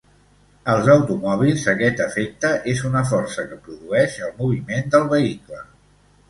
Als automòbils aquest efecte és una força que produeix el moviment del vehicle.